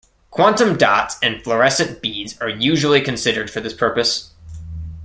Quantum dots and fluorescent beads are usually considered for this purpose.